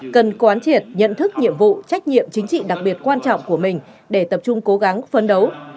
cần quán triệt nhận thức nhiệm vụ trách nhiệm chính trị đặc biệt quan trọng của mình để tập trung cố gắng phấn đấu